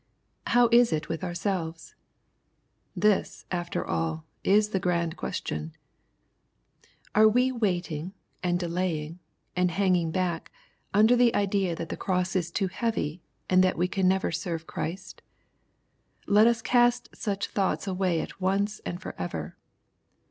How is it with ourselves ? This, after all, is the grand iiuestion. Are we waiting, and delaying, and hanging back, under the idea that the cross is too heavy, and that we can never serve Christ ? Let us cast such thoughts away at once and forever.